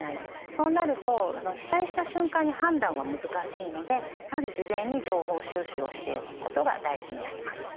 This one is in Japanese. そうなると被災した瞬間に判断は難しいのでやはり事前に情報収集をしておくことが大事になります。